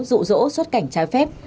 dụ dỗ xuất cảnh trái phép